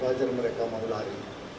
wajar mereka mau lari